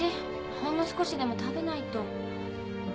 ほんの少しでも食べないと。